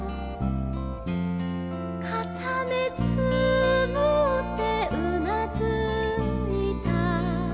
「かためつむってうなずいた」